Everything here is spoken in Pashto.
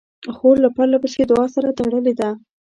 خور له پرله پسې دعا سره تړلې ده.